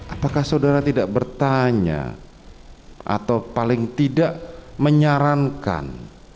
apakah saudara tidak bertanya atau paling tidak menyarankan